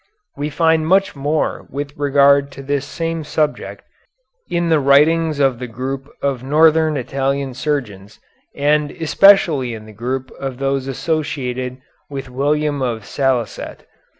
We find much more with regard to this same subject in the writings of the group of northern Italian surgeons and especially in the group of those associated with William of Salicet.